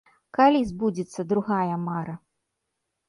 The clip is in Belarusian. Калі збудзецца другая мара?